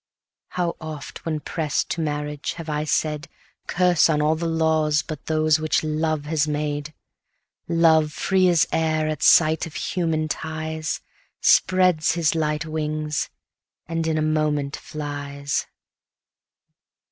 How oft, when press'd to marriage, have I said, Curse on all laws but those which Love has made! Love, free as air, at sight of human ties, Spreads his light wings, and in a moment flies.